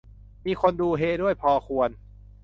มีคนดูเฮด้วยพอควร